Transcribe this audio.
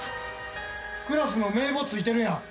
クラスの名簿付いてるやん！